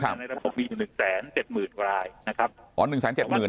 ในระบบมีอยู่หนึ่งแสนเจ็ดหมื่นรายนะครับอ๋อหนึ่งแสนเจ็ดหมื่น